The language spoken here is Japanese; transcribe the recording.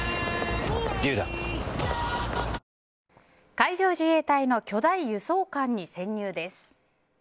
海上自衛隊の巨大輸送艦に潜入です。